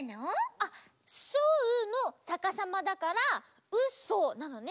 あっ「そう」のさかさまだから「うそ」なのね？